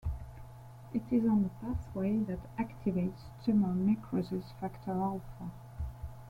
It is on the pathway that activates tumor necrosis factor-alpha.